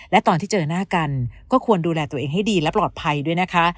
และตอนที่เจอหน้ากันก็ควรดูแลตัวเองให้ดีและปลอดภัยด้วยนะคะ